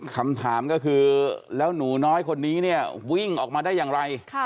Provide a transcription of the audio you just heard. คำถามก็คือแล้วหนูน้อยคนนี้เนี่ยวิ่งออกมาได้อย่างไร